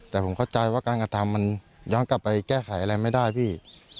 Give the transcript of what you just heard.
แต่ผมเข้าใจว่าการกระทำมันย้อนกลับไปแก้ไขอะไรไม่ได้พี่